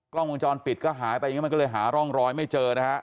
กล้องวงจรปิดก็หายไปอย่างนี้มันก็เลยหาร่องรอยไม่เจอนะฮะ